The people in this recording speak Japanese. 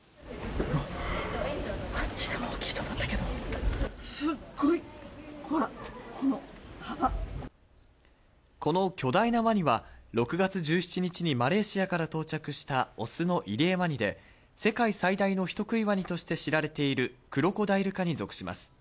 あっちのも大きいと思ったけこの巨大なワニは、６月１７日にマレーシアから到着した雄のイリエワニで、世界最大の人食いワニとして知られているクロコダイル科に属します。